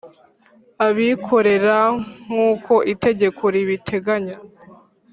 abikorera nk’uko itegeko ribiteganya.